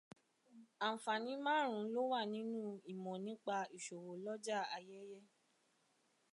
Àǹfààní márùn-ún ló wá nínú ìmọ̀ nípa ìṣòwò lọ́ja Ayẹ́yẹ́